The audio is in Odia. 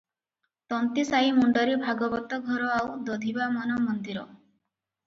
ତନ୍ତୀସାଇ ମୁଣ୍ତରେ ଭାଗବତ ଘର ଆଉ ଦଧିବାମନ ମନ୍ଦିର ।